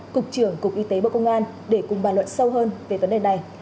cục trưởng cục y tế bộ công an để cùng bàn luận sâu hơn về vấn đề này